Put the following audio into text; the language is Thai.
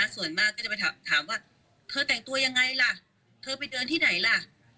ส่วนมากก็จะไปถามว่าเธอแต่งตัวยังไงล่ะเธอไปเดินที่ไหนล่ะ